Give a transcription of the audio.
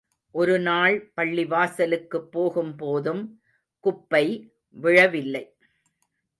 ஒரு நாள் பள்ளிவாசலுக்குப் போகும் போதும் குப்பை விழவில்லை.